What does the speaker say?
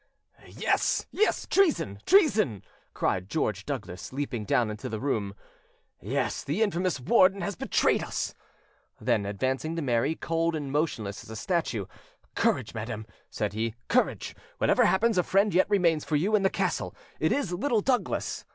"Yes, yes, treason, treason!" cried George Douglas, leaping down into the room. "Yes, the infamous Warden has betrayed us!" Then, advancing to Mary, cold and motionless as a statue, "Courage, madam," said he, "courage! Whatever happens, a friend yet remains for you in the castle; it is Little Douglas."